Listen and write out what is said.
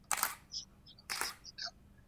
په ټوله نړۍ کي د څېړني بنسټیز اصول ورته دي.